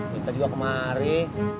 minta juga kemari